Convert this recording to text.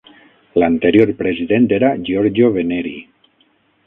L"anterior president era Giorgio Veneri.